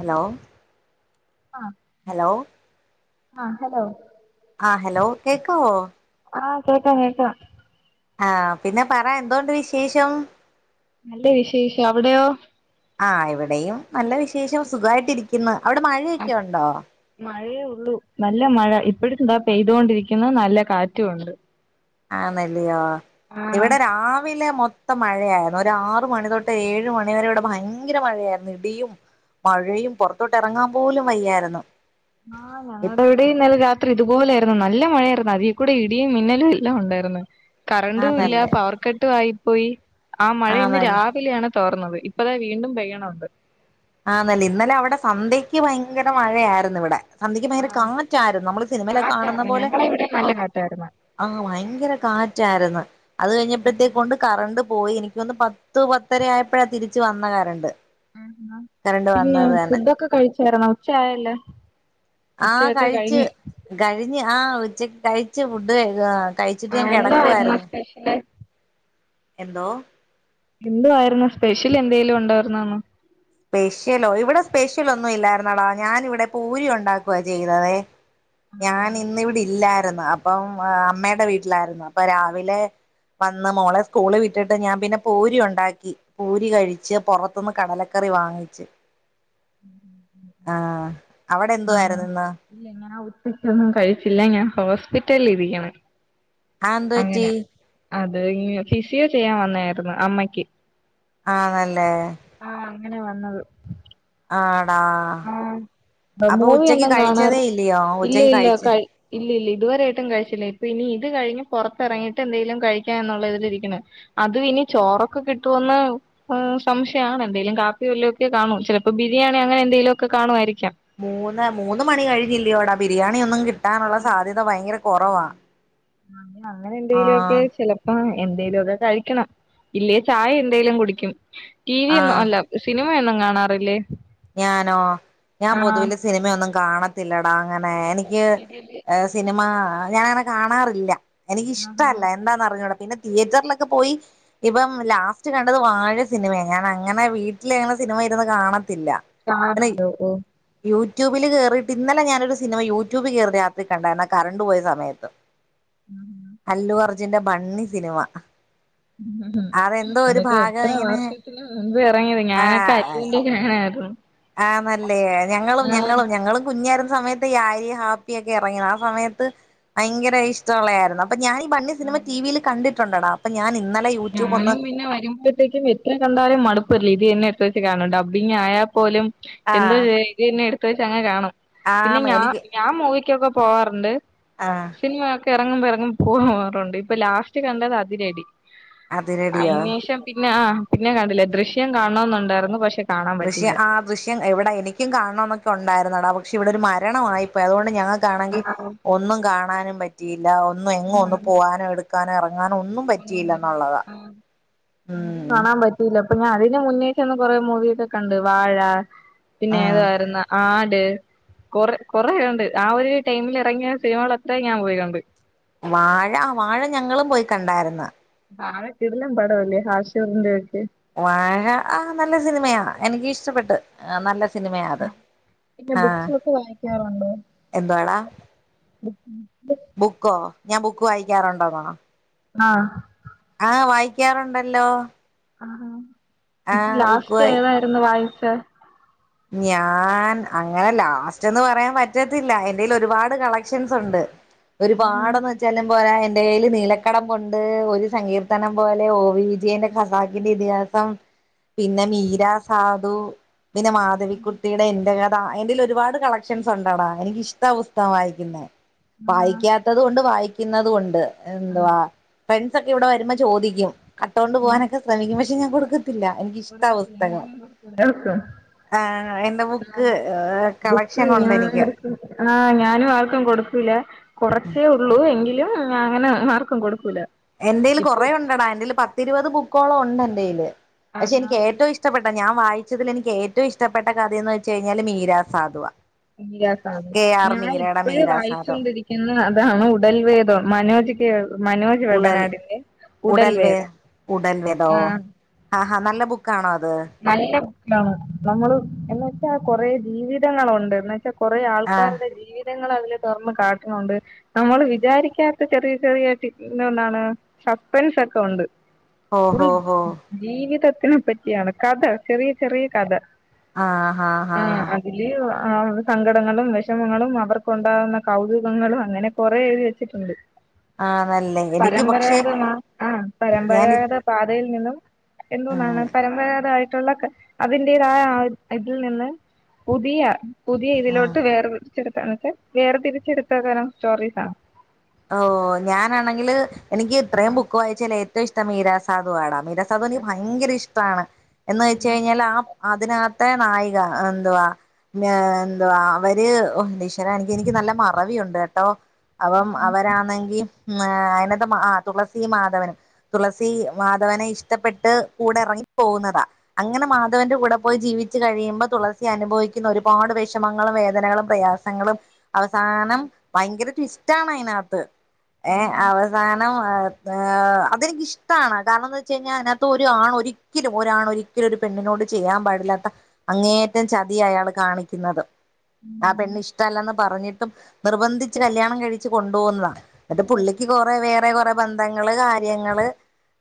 Hello ആഹ് hello ആഹ് hello ആഹ് ഹലോ കേക്കാവോ ആഹ് കേക്കാം കേക്കാം ആഹ് പിന്നെ പറ എന്തോണ്ട് വിശേഷം നല്ല വിശേഷം അവിടെയോ ആഹ് ഇവിടെയും നല്ല വിശേഷം സുഖായിട്ടിരിക്കുന്നു അവിടെ മഴയൊക്കെ ഉണ്ടോ മഴയേ ഉള്ളൂ നല്ല മഴ ഇപ്പഴും ദാ പെയ്തോണ്ടിരിക്കുന്നു നല്ല കാറ്റും ഉണ്ട് ആന്നല്ല്യോ ആഹ് ഇവിടെ രാവിലെ മൊ ത്തം മഴയായിരുന്നു ഒരാറു മണി തൊട്ട് ഏഴ് മണിവരെ ഇവിടെ ഭയങ്കര മഴയായിരുന്നു ഇടിയും മഴയും പുറത്തോട്ടെറങ്ങാൻ പോലും വയ്യാരുന്നു മാന ടെ ഇവിടെയും ഇന്നലെ രാത്രി ഇതുപോലെര്ന്ന് നല്ല മഴയാര്ന്ന് അതിക്കൂടി ഇടിയും മിന്നലും എല്ലാം ഉണ്ടായിരുന്ന് കറണ്ടും ഇല്ല ആന്നല്ലേ പവർ കട്ടും ആയിപ്പോയി ആ മഴ ഇന്ന് ആന്നല്ലേ രാവിലെയാണ് തോർന്നത് ഇപ്പ ദാ വീണ്ടും പെയ്യണൊണ്ട് ആന്നല്ലേ ഇന്നലെ അവിടെ സന്ധ്യയ്ക്ക് ഭയങ്കര മഴയാരുന്ന് ഇവിടെ സന്ധ്യക്ക് ഭയങ്കര ആഹ് കാറ്റായിരുന്നു നമ്മള് സിനിമയിലൊക്കെ കാണുന്ന കാറ്റായിരുന്നു പോലെ ഞങ്ങളെ ഇവിടെ നല്ല ആഹ് കാറ്റായിരുന്നു ആഹ് ഭയങ്കര കാറ്റായിരുന്നു അത് കഴിഞ്ഞപ്പോഴത്തേക്കൊണ്ട് കറണ്ട് പോയി എനിക്കൊന്ന് പത്ത് പത്തര ആയപ്പഴാ തിരിച്ചു വന്ന കറണ്ട് ആഹ് കറണ്ട് പിന്നെ വന്നത് തന്നെ ഫുഡൊക്കെ കഴിച്ചാര്ന്നാ ഉച്ച ആയല്ല ആഹ് കഴിച്ച് കഴിഞ്ഞ് ആഹ് ഉച്ചക്ക് കഴിച്ചു ഫുഡ് ക ആഹ് ആഹ് എന്തോ ആയിരുന്നു സ്പെഷ്യല് എന്തോ എന്തോ ആയിരുന്ന് സ്പെഷ്യലെന്തേലും ഉണ്ടായിരുന്നാന്ന് സ്പെഷ്യലോ ഇവിടെ സ്പെഷ്യൽ ഒന്നും ഇല്ലാരുന്നെടാ ഞാനിവിടെ പൂരി ഉണ്ടാക്കുവ ചെയ്തതെ ആഹ് ഞാനിന്നിവിടെ ഇല്ലാര്ന്ന് അപ്പം അമ്മേടെ വീട്ടിലായിരുന്നു അപ്പ രാവിലെ വന്ന് മോളെ സ്കൂള് വിട്ടിട്ട് ഞാൻ പിന്നെ പൂരി ഉണ്ടാക്കി പൂരി കഴിച്ച് പൊറത്തുന്ന് കടല ക്കറി വാങ്ങിച്ച് ആഹ് അവിടെ ആഹ് എന്തുവായിരുന്നു ഇന്ന് ഇല്ല ഞാൻ ആഹ് ഉച്ചക്കൊന്നും കഴിച്ചില്ല ഞാൻ ഹോസ്പിറ്റലിരിക്ക്ണ് ആഹ് എന്തുപറ്റി അത് ഫിസിയോ ചെയ്യാൻ വന്നായിരുന്ന് അമ്മയ്ക്ക് ആണല്ലേ ആഹ് അങ്ങനെ വന്നത് ആഹ്ടാ ആഹ് അപ്പൊ മൂവി ഉച്ചക്ക് ഒന്നും കഴിച്ചതേ ഇല്ല്യോ ഉച്ചക്ക് കഴിച്ച ഇല്ലില്ല ഇതുവരെയായിട്ടും കഴിച്ചില്ല ഇപ്പൊ ഇനി ഇത് കഴിഞ്ഞ് പൊറത്തിറങ്ങിട്ട് എന്തെലും കഴിക്കാ എന്നുള്ള ഇതില് ഇരിക്കണ് അതും ഇനി ചോറൊക്കെ കിട്ടുവോന്ന് ഉം സംശയാണ് എന്തേലും കാപ്പി വല്ലൊക്കെ കാണൂ ചെലപ്പോ ബിരിയാണി അങ്ങനെ എന്തെലൊക്കെ കാണുവായിരിക്കാം മൂന്ന് മൂന്ന് മണി കഴിഞ്ഞില്ല്യോടാ ബിരിയാണി ഒന്നും കിട്ടാനുള്ള ആഹ് സാധ്യത ഭയങ്കര കുറവാ ആഹ് ഇനി അങ്ങനെ എന്തെലൊക്കെ ആഹ് ചെല പ്പാ എന്തേലും ഒക്കെ കഴിക്കണം ഇല്ലേ ചായ എന്തേലും കുടിക്കും ടി വി ഒന്നും ആഹ് അല്ല സിനിമയൊന്നും കാണാറില്ലേ ഞാനോ ഞാൻ ആഹ് പൊതുവില് സിനിമയൊന്നും കാണത്തില്ലടാ അങ്ങനെ എനിക്ക് സീരിയല് ഏഹ് സിനിമ ഞാൻ അങ്ങനെ കാണാറില്ല ആഹാ എനിക്കിഷ്ടവല്ല എന്താന്ന് അറിഞ്ഞൂട പിന്നെ തിയേറ്ററിലൊക്കെ പോയി ഇപ്പം ലാസ്റ്റ് കണ്ടത് വാഴ സിനിമയ ഞാൻ അങ്ങനെ വീട്ടിലങ്ങനെ സിനിമ ഇരുന്ന് കാണത്തില്ല കാണാ അങ്ങനെ [unintelligible] ഓഹ് യൂട്യൂബിൽ കേറീട്ട് ഇന്നലെ ഞാനൊരു സിനിമ യൂട്യൂബി കേറി രാത്രി കണ്ടായിരുന്ന് ആഹ് കറണ്ട് പോയ സമയത്ത് അല്ലു അർജുന്റെ ബണ്ണി സിനിമ അതെന്തോ ഒരു അതൊക്കെ ഭാഗം എത്ര ഇങ്ങനെ വർഷത്തിന് മുൻപ് ഇറങ്ങിയത് ഞാനൊക്കെ അല്ലുന്റെ ഫാനായിരുന്നു ആണല്ലേ ഞങ്ങളും ഞങ്ങളും ഞങ്ങളും കുഞ്ഞാരുന്ന സമയത്ത് പ്പി ആര്യേം ഹാപ്പിയൊക്കെ ഇറങ്ങിയേ ആ സമയത്ത് ഭയങ്കര ഇഷ്ടമുള്ളായിരുന്നു അപ്പ ഞാനി ബണ്ണി സിനിമ ഉം ടിവി ല് കണ്ടിട്ടുണ്ടടാ അപ്പ ഞാനിന്നലെ യൂ ഞാനും പിന്നെ വരുമ്പോഴത്തേക്കും വരു ത്ര കണ്ടാലും മടുപ്പ് വരില്ല ഇത് തന്നെ എടുത്ത് വെച്ച് കാണും ഡബിങ് ആയാപ്പോലും ആ എന്തോ ചെയ പിന്നെ എടുത്ത് വെച്ച് അങ്ങ് കാണും പിന്നെ ആണ് ഞാൻ എനിക്ക് ഞാൻ മൂവിക്കൊക്കെ പോവാറുണ്ട് ആഹ് സിനിമ ഒക്കെ ഇറങ്ങുമ്പോ ഇറങ്ങുമ്പോ പോവാറുണ്ട് ഇപ്പൊ ലാസ്റ്റ് കണ്ടത് അതിരടി അതിരടിയോ അയിന്ശേഷം പിന്നെ ആഹ് പിന്നെ കണ്ടില്ല ദൃശ്യം കാണണം എന്നുണ്ടായിരുന്നു പക്ഷെ കാണാൻ പക്ഷേ ദൃശ്യം പറ്റിയില്ല ആ ദൃശ്യം എവിടെ എനിക്കും കാണണം എന്നൊക്കെ ഉണ്ടായിരുന്നടാ പക്ഷെ ഇവിടെ ഒരു മരണമായി പോയി അതുകൊണ്ട് ഞങ്ങക്കാണെങ്കി ഒന്നും കാണാനും പറ്റിയില്ല ഒന്നും എങ്ങുമൊന്ന് പോവാനും എടു- ടുക്കാനോ ഇറങ്ങാനോ ഒന്നും പറ്റിയില്ല എന്നുള്ളതാ മം കാണാൻ അപ്പൊ ഞാൻ അതിന് മുന്നേ ചെന്ന് കുറെ മൂവിയൊക്കെ കണ്ട് വാഴ പിന്നെ ഉം ഏതായിരുന്ന് ആട് കൊറ കൊറേ കണ്ട് ആ ഒരു ടൈമില് ഇറങ്ങിയ സിനിമകൾ അത്രയും ഞാൻ പോയിക്കണ്ട് വാഴ വാഴ ഞങ്ങളും പോയി കണ്ടായിരുന്ന് വാഴ കിടിലം പടവല്ലേ ഹാഷിറിൻ്റെ ഒക്കെ വാഴ ആഹ് നല്ല സിനിമയാ എനിക്ക് ഇഷ്ടപ്പെട്ട് നല്ല സിനിമയാ അത് പിന്നെ ആ ബുക്സുമൊക്കെ വായിക്കാറുണ്ടോ [inaudible] എന്തുവാടാ ബുക്കോ ഞാൻ ബുക്ക് വായിക്കാറുണ്ടോന്നോ ആഹ് ആഹ് വായിക്കാറുണ്ടല്ലോ ആഹ് ആ ഇപ്പൊ ബുക്ക് ലാസ്റ്റ് വായി ഏതായിരുന്നു വായിച്ചെ ഞാൻ അങ്ങനെ ലാസ്റ്റെന്ന് പറയാൻ പറ്റത്തില്ല എൻ്റെയിൽ ഒരുപാട് കളക്ഷൻസ് ഉണ്ട് [inaudible] ഒരുപാട എന്നുവച്ചാ ജലം പോലെ എൻ്റെ കയ്യിൽ നീലക്കടം ഉണ്ട് ഒരു സങ്കീർത്തനം പോലെ ഓ വി വിജയൻ്റെ ഖസാക്കിൻ്റെ ഇതിഹാസം [unintelligible] പിന്നെ മീര സാധു പിന്നെ മാ ധവിക്കുട്ടിയുടെ എന്റെ കഥ എൻ്റെയിൽ ഒരുപാട് കളക്ഷൻസ് ഉണ്ടടാ എനിക്ക് ഇഷ്ടാ പുസ്തകം വായിക്കുന്നേ ആഹ് വായിക്ക ത്തതുവൊണ്ട് വായിക്കുന്നതുവൊണ്ട് എന്തുവാ ഫ്രണ്ട്സ് ഒക്കെ ഇവിടെ വരുമ്പോ ചോദിക്കും കട്ടോണ്ട് പോകാനൊക്കെ ശ്രമിക്കും പക്ഷെ ഞാൻ കൊടുക്കത്തില്ല എനിക്കിഷ്ട കൊടുക്കത്തില്ല പുസ്തകം [unintelligible] ആഹ് എന്റെ ബുക്ക് കളക്ഷൻ ഉണ്ട് എനിക്ക് ആഹ് ഞാനും ആർക്കും കൊടുക്കൂല കൊറച്ചേ ഉള്ളൂ എങ്കിലും [unintelligible] അങ്ങനെ ആർക്കും കൊടുക്കൂല എൻ്റെ കൈയില് ഇപ്പൊ കുറെ ഉണ്ടെടാ എന്റെൽ പത്തിഇരുപത് ബുക്കോളം ഉണ്ട് എൻ്റെ കൈയില് പക്ഷെ എനിക്ക് ഏറ്റവും ഇഷ്ടം ഇഷ്ടപ്പെട്ട ഞാൻ വായിച്ചതില് എനിക്ക് ഏറ്റവും ഇഷ്ടപ്പെട്ട കഥയെന്ന് വെച്ച് കഴിഞ്ഞാല് മീരാ സാധുവ മീര സാധു കെ ആർ ഞാൻ മീരയുടെ ഇപ്പഴും മീരാ സാധു വായിച്ചൊണ്ടിരിക്കുന്ന അതാണ് ഉടൽവേദം മനോജ് [unintelligible] മനോജ് ഉടൽ വെള്ളനാടിന്റെ ഉടൽ വേ ഉടൽവേദം ഉടൽ വേതോ ആഹ് ആഹാ നല്ല ബുക്കാണോ അത് നല്ല ബുക്കാണ് നമ്മള് എന്നുവെച്ചാ കൊറെ ജീവിതങ്ങളുണ്ട് എന്നു വെച്ചാ കുറെ ആ ആൾക്കാരുടെ ജീവിതങ്ങള് അതില് തുറന്ന് കാട്ടണുണ്ട് നമ്മൾ വിചാരിക്കാത്ത ചെറിയ ചെറിയായിട്ട് [unintelligible] കണ്ടാണ് സസ്പെൻസ് ഒക്കെ ഉണ്ട് ഹോ ഫുൾ ഹോ ഹോ ജീവിതത്തിനെ പറ്റിയാണ് കഥ ചെറിയ ചെറിയ കഥ ആഹ് ആഹ് ആഹ് ഇതില് സങ്കടങ്ങളും വിഷമങ്ങളും അവർക്കുണ്ടാകുന്ന കൗതുകങ്ങളും അങ്ങനെ കൊറെ എഴുതി വെച്ചിട്ടുണ്ട് ആ നല്ലേ എനിക്ക് പക്ഷെ പരമ്പരാഗത ആഹ് ഞാൻ പരമ്പരഗത പാതയിൽ നിന്നും ആ എന്തുകൊണ്ടാണ് പരമ്പരാഗത- ഗതമായിട്ടുള്ള ക അതിന്റേതായ ആ ഒരു ഇതിൽ നിന്ന് പുതിയ പുതിയ ആ ഇതിലോട്ട് വേർതിരിച്ചെടുക്കാനൊക്കെ വേർതിരിച്ചെടുത്ത തരം സ്റ്റോറീസാ. ഓഹ് ഞാനാണെങ്കില് എനിക്ക് ഇത്രയും ആഹ് ബുക്ക് വായിച്ചേല് ഏറ്റവും ഇഷ്ടം മീരാസാദു ആടാ. മീര സാധു എനിക്ക് ഭയങ്കര ഇഷ്ട ആണ്. എന്നു വെച്ച് കഴിഞ്ഞാൽ ആ അതിനക ത്തേ നായിക എന്തുവാ ന്നെ എന്തുവാ അവര് ഓഹ് എൻ്റീശ്വരാ എനിക്ക് എനിക്ക് നല്ല മറവിയുണ്ടേട്ടോ. അപ്പം രാണെങ്കി ഉംഏ അയ്നാത്തെ ആഹ് തുളസി മാധവനും തുളസി മാധവനെ ഇഷ്ടപെട്ട് കൂടെ എറങ്ങി പോവുന്നതാ അങ്ങനെ മാധവന്റെ കൂടെ പോയി ജീവിച്ചു കഴിയുമ്പം തുളസി അനുഭവിക്കുന്ന ഒരുപാട് വെഷമങ്ങളും വേദനകളും പ്രയാസ് സങ്ങളും. അവസാനം ഭയങ്കര ട്വിസ്റ്റാണ് അയ്നകത്ത് ഏഹ് അവസാ ണം അഹ്ഏഹ് അതെനിക്കിഷ്ടാണ്. കാരണെന്ത്വെച്ചഴിഞ്ഞാ അതിനകത്ത് ഒരു ആണ് ഒരി ക്കലും ഒരാണൊരിക്കലും ഒരു പെണ്ണിനോട് ചെയ്യാൻ പാടില്ലാത്ത അങ്ങേയറ്റം ചതിയാ അയാള് കാണിക്ക്ന്നത്. ആ പെണ്ണ് ഇഷ്ട അല്ലന്ന് പറഞ്ഞിട്ടും നിർബന്ധിച്ച് കല്യാണം കഴിച്ച് കൊണ്ടു പോകുന്നതാ. ന്നട്ട് പുള്ളിക്ക് കൊറെ വേറെ കൊറെ ബന്ധങ്ങള് കാര്യങ്ങള്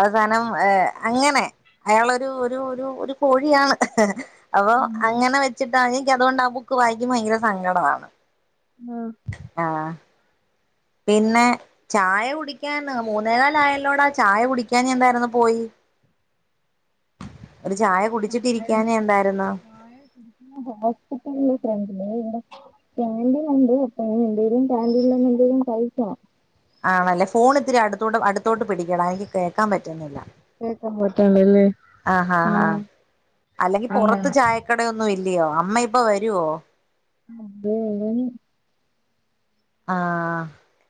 അവസാനം ഏഹ് അങ്ങനെ. അയാളൊരു ഒരു ഒരു ഒരു കോഴിയാണ്. അപ്പൊ ഉം അങ്ങനെ വെച്ചിട്ടാ. എനിക്കതോണ്ട് ആ ബുക്ക് വായിക്കുമ്പോ ഭയങ്കര സങ്കടവാണ്. ആഹ് ആഹ് പിന്നെ ചായ കുടിക്കാൻ മൂന്നേകാലായല്ലോടാ ചായ കുടിക്കാൻ എന്തായിരുന്നു പോയി. [inaudible] ഒരു ചായ കുടിച്ചിട്ടിരിക്കാഞ്ഞെ എന്തായിരുന്നു? ഞാൻ ഹോസ്പിറ്റൽല് [unintelligible] കാൻ്റീനുണ്ട്. അപ്പൊ എന്തെലും കാന്റിനിൽന്ന് എന്തെലും കഴിക്കണം. ആണല്ലേ ഫോൺ ഇത്തിരി അടുത്തൂടെ അടുത്തോട്ട് പിടിക്കണെ. ആഹ്എനിക്ക് കേക്കാൻ പറ്റുന്നില്ല. കേക്കാൻ പറ്റുള്ളല്ലേ ആ ഹാ ഹാ. ആഹ് അല്ലെങ്കി പൊറത്ത് അങ്ങനെ ചായക്ക ട ഒന്നും ഇല്യയോ അമ്മ ഇപ്പ വരോ? ആഹ്. ഒരേഴെണി ആഹ്.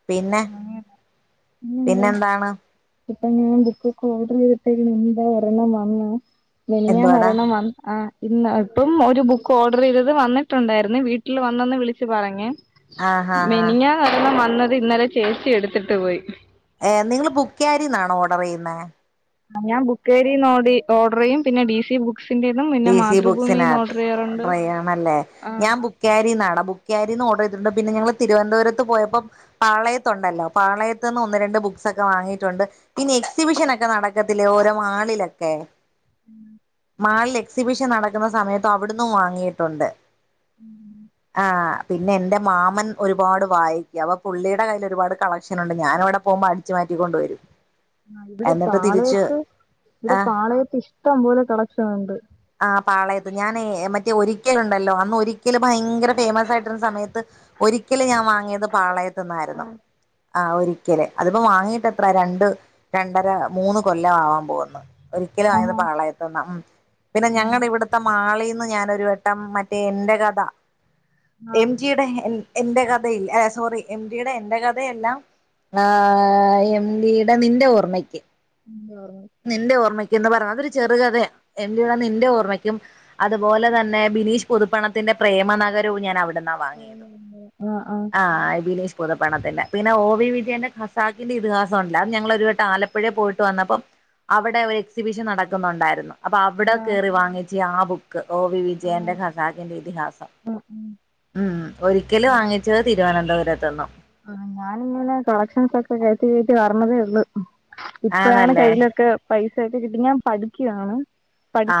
പിന്നെ, പിന്നെന്താണ്? ഇപ്പം ഞാൻ ബുക്കൊക്കെ ഓഡറേയ്തിട്ടേ [unintelligible] ഒരെണ്ണം വന്ന് എന്തുവാടാ മിനിയാന്നൊരെണ്ണം വം ആഹ് ഇന്ന ട്ടും ഒരു ബുക്ക് ഓഡറെയ്തത് വന്നിട്ടുണ്ടായിരുന്നു വീട്ടിൽ വന്നെന്ന് വിളിച്ചു പറഞ്ഞ്. ആഹ് ആഹ് ആഹ് മെനിഞാന്ന് ഒരെണ്ണം വന്നത് ഇന്നലെ ചേച്ചി എടുത്തിട്ട് പോയി. ഏഹ് നിങ്ങൾ ബുക്കേരിന്നാണോ ഓഡറെയ്യുന്നെ? ആഹ് ഞാൻ ബുക്കാരിന്നോട് ഓഡ്രെയ്യും പിന്നെ ഡി സി ബു ക്സിന്റെന്നും ഡി സി ബുക്സിനകത്ത് ഓഡറെയ്യണല്ലേ ആഹ് ഞാൻ ബു കേരിന്നാണ്. ബുക്കാരിന്ന് ഓഡറയ്ത്ണ്ട്. പിന്ന ഞങ്ങൾ തിരുവന്തപുരത്ത് പോയപ്പം പാളയത്തുണ്ടല്ലോ. പാളയത്ത്ന്ന് ഒന്ന് രണ്ട് ബുക്സൊക്കെ വാങ്ങിയിട്ടുണ്ട് പിന്നെ എക്സിബിഷൻ ഒക്കെ നടക്കത്തില്ലേ ഓരോ മാളിലൊക്കെ [unintelligible] മാള്ല് എക്സിബിഷൻ നടക്കുന്ന സമയത്തവിട്ന്നും വാങ്ങിയിട്ടുണ്ട്. ആഹ്. പിന്നെ എന്റെ മാമൻ ഒരുപാട് വായിക്കും. അപ്പ പുള്ളിയുടെ കയ്യിൽ ഒരുപാട് കളക്ഷനുണ്ട്. ഞാനവിടെ പോകുമ്പടി ച്ച് മാറ്റിക്കൊണ്ടുവരും. ആഹ് ഇവിടെ പാളയത്ത് ഇവിടെ ആ പാളയത്ത് ഇഷ്ടം പോലെ കളക്ഷനുണ്ട്. ആഹ് പാളയത്ത്. ഞാനേ മറ്റേ ഒരിക്കൽ ഉണ്ടല്ലോ അന്ന് ഒരിക്കൽ ഭയങ്കര ഫേമസായിട്ടിരുന്ന സമയത്ത് ഒരിക്കല് ഞാൻ വാങ്ങിയത് പാളയത്ത്ന്നായിരുന്നു. ആഹ് ഒരിക്കല് അതിപ്പോ വാങ്ങീട്ടെത്ര രണ്ട് രണ്ടര മൂന്ന് കൊല്ല ആവാൻ പോവ്ന്ന്. ഒരിക്കല് വാങ്ങിയത് ആഹാ. പാളയത്ത്ന്നാ. ഉം. പിന്നെ ഞങ്ങടെ ഇവിടുത്തെ മാളിന്ന് ഞാനൊരു വെ ട്ടം മറ്റേ എന്റെ കഥ എം ആഹ്. ജിയുടെ എൻ എൻ്റെ കഥയില്ലെ സോറി എം ജി യുടെ എൻ്റെ കഥയല്ല ആഹ് എം ടി ട നിന്റെ ഓർമ്മയ്ക്ക്. [unintelligible] നിന്റെ ഓർമ്മയ്ക്ക ന്ന് പർഞ. അതൊരു ചെറുകതെ എം ടി ടേ നിന്റെ ഓർമ്മക്കും. അതുപോലെ തന്നെ ബിനീഷ് പുതുപ്പണത്തിന്റെ പ്രേമ നഗരവും ഞാൻ അവിട ന്നാ വാങ്യതും. ആഹ് ബിനേഷ് പുതുപണത്തിന്റെ, പിന്നെ ഓ വി വിജയന്റെ ഖസാക്കിന്റെ ഇത്ഹാസ ണ്ട്, അത് ഞങ്ങളൊരു വട്ടം ആലപ്പുഴയിൽ പോയിട്ട് വന്നപ്പം. അവടെ ഒര് എക്സിബിഷൻ നടക്കുന്നുണ്ടായിരുന്നു. അപ്പൊ അവ്ടെ ആഹ് കേറി വാങ്ങിച്ച് ആ ബു ക്ക്. ഓ വി ആഹ്. വിജയന്റെ ഖസാക്കിന്റെ ഇതിഹാസം. ഉം ഒരിക്കല് വാങ്ങിച്ചത് തി രുവനന്തപുരത്ത് ന്നും. ആ ഞാനിങ്ങനെ കളക്ഷൻസ് ഒക്കെ കയറ്റി കയറ്റി വർന്നതേ ഒള്ളു. ഇപ്പഴാണ് ആന്നല്ലേ കയ്യിലൊക്കെ പൈസയൊക്കെ കിട്ടി, ഞാൻ പഠിക്കുവാണ്.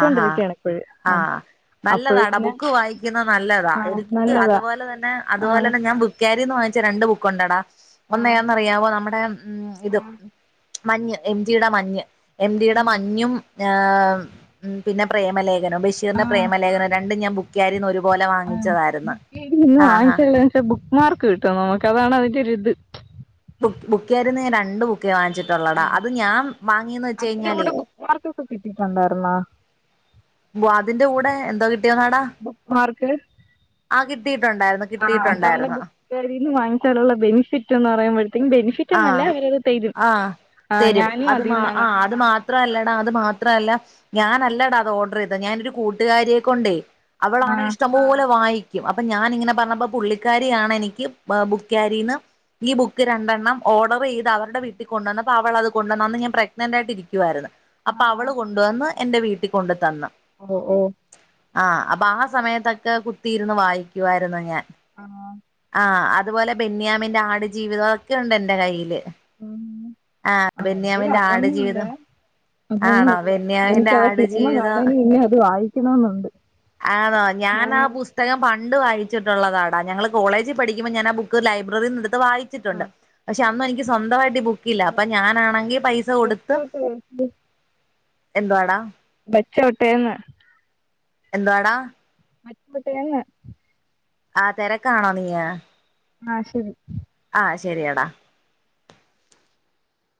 ആഹാ ഇപ്പഴ്. ആ. ആഹ് നല്ലതാടാ ബുക്ക് വായിക്കുന്ന നല്ലതാ. ആഹ് എനിക്ക് നല്ലതാ അതുപോലെ തന്നെ അതുപോലെ ആഹ്. തന്നെ ഞാൻ ബു കേരിന്ന് വാങ്ങിച്ച രണ്ട് ബുക്കുണ്ടടാ ഒന്ന് ഏതന്നറിയാവോ? നമ്മടെ ഉം ഇത്, മഞ്ഞ് എം. ടി ടെ മഞ്ഞ്, എം. ടി ടെ മഞ്ഞും ഏഹ്, ഉം പിന്നെ പ്രേമലേഖനം, ബഷീറിന്റെ പ്രേമലേഖനം രണ്ടും ഞാൻ ബു ക്ക്ലാരിന്ന് ഒരു പോലെ വാങ്ങിച്ചതായിരുന്നു. ഇന്ന് ആഹ് ആ. വാങ്ങിച്ചേല് വെച്ചാ ബുക്ക് മാർക്ക് കിട്ടും നമുക്കതാണ് അതിന്റെ ഒരിത്. ബു ബുക്യാരിന്നു ഞാൻ രണ്ട് ബുക്കേ വാങ്ങിച്ചി ടൊള്ളടാ. അത് ഞാൻ വാങ്ങിന്ന് വെച്ചഴിഞ്ഞാലേ, മാർക്കൊക്കെ കിട്ടിയിട്ടുണ്ടായിരുന്നോ? വാതിന്റെ കൂടെ എന്തോ കിട്ടിയോ ന്നാടാ, ബുക്ക് മാർക്ക്. ആഹ് കിട്ടിട്ടുണ്ടായിരുന്നു. കിട്ടിട്ടുണ്ടായിരുന്നു. ക്യാരിൽന്ന് വാങ്ങിച്ചാലുള്ള ബെനിഫിറ്റ്‌ എന്ന് പറയുമ്പോഴത്തിം ബെന ആഹ് ആഹ് ആഹ് തരും. ഞാനും അത് അതിന്നാണ് ആ അത് മാ ത്രല്ലടാ അത് മാത്രല്ല. ഞാനല്ലടാ അത് ഓർഡർ ചെയ്തെ. ഞാനൊരു കൂട്ടുകാരിയെ കൊണ്ടേ, അവളാണ് ആഹ് ഇഷ്ടം പോലെ വായിക്കും. അപ്പൊ ഞാന്ങ്ങനെ പറഞ്ഞപ്പോ പുള്ളിക്കാരി ആണ് എനിക്ക് ബുക്യാരിന്ന്, ഈ ബുക്ക് രണ്ടെണ്ണം, ഓർഡർ ചെയ്ത് അവര്ടെ വീട്ടിൽ കൊണ്ടോന്നപ്പോ അവളത് കൊണ്ടന്ന്, അന്ന് ഞാൻ പ്രഗ്നന്റ് ആയിട്ടിക്കുവായിരുന്നു. അപ്പ അവള് കൊണ്ടുവന്ന് എന്റെ വീട്ടിൽ കൊണ്ട് തന്ന്‌. ഓഹ് ഓ. ആഹ് അപ്പ ആ സമയത്തക്കെ കുത്തിയിരുന്ന് വായിക്കുവായിരുന്നു ഞാൻ. ആ. ആഹ് അതുപോലെ ബെന്യാമിന്റെ ആടു ജീവിതൊക്കെണ്ട്‌ എന്റെ കയ്യില്. ഉം ആ ബെന്യാമിന്റെ ആട് ജീവിതം. ആണോ അതൊന്നുംല്ല ബെന്യാമിന്റെ എനിക്ക് ആ സിനിമ ആടുജീവിതം കാണന് മുന്നെ അത് വായിക്കണംന്നുണ്ട്. ആണോ ഞാനാ ആ പുസ്തകം പണ്ട് വായിച്ചിട്ടുള്ളതാടാ. ഞങ്ങള് കോളേജ് പഠിക്കുമ്പോൾ ഞാൻ ആ ബു ക്ക് ലൈബ്രറിന്നെടുത്ത് വായിച്ചിട്ട്ണ്ട്. പക്ഷെ അന്നെനിക്ക് സ്വന്തമായിട്ട് ബു ക്കില്ല അപ്പ ഞാനാണെങ്കി പൈസ കൊടുത്ത് ബെച്ചോട്ടേ എന്തുവാടാ, വെച്ചോട്ടേന്ന്. എന്താടാ? [unintelligible] ആ തെരക്കാണോ നീയ്? ആഹ് ശരി. ആഹ് ശരിയടാ.